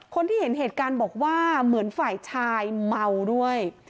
คนที่เห็นเหตุการณ์บอกว่าเหมือนฝ่ายชายเมาด้วย